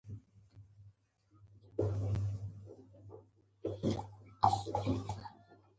ښایي په راتلونکی کې له لا ډیرو سایبري بریدونو سره لاس او ګریوان شي